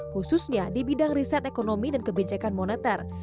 khususnya di bidang riset ekonomi dan kebijakan moneter